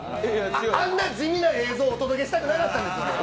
あんな地味な映像、お届けしたくなかったんですよ。